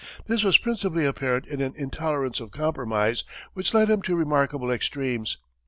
This was principally apparent in an intolerance of compromise which led him to remarkable extremes.